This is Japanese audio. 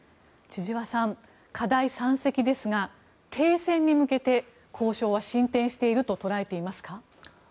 千々和さん課題山積ですが停戦に向けて交渉は進展していると捉えていますか？